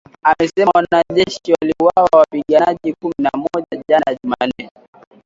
amesema wanajeshi waliwaua wapiganaji kumi na moja jana Jumanne